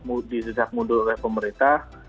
mundur oleh pemerintah